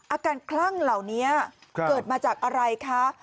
คลั่งเหล่านี้เกิดมาจากอะไรคะ